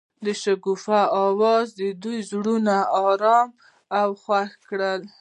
د شګوفه اواز د دوی زړونه ارامه او خوښ کړل.